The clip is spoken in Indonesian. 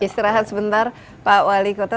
istirahat sebentar pak wali kota